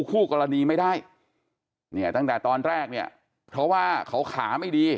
คู่กรณีไม่ได้เนี่ยตั้งแต่ตอนแรกเนี่ยเพราะว่าเขาขาไม่ดี